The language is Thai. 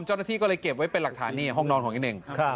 เจ้าหน้าที่ก็เลยเก็บไว้เป็นหลักฐานนี่ห้องนอนของอีเน่ง